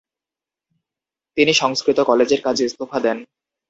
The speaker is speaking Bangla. তিনি সংস্কৃৃত কলেজের কাজে ইস্তফা দেন।